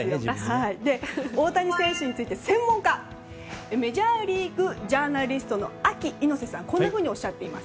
大谷選手について専門家メジャーリーグジャーナリストのＡＫＩ猪瀬さんはこんなふうにおっしゃっています。